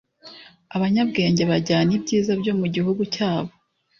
abanyabwenge bajyana ibyiza byo mu gihugu cyabo